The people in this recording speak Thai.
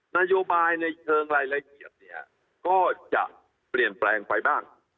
นโยบายในเชิงรายละเอียดเนี่ยก็จะเปลี่ยนแปลงไปบ้าง